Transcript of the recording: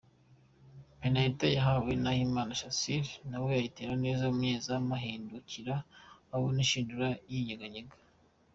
Penaliti yahawe Nahimana Shassir nawe ayitera neza umunyezamu ahindukira abona inshundura zinyeganyega.